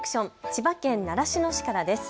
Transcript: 千葉県習志野市からです。